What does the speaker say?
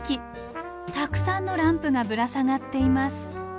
たくさんのランプがぶら下がっています。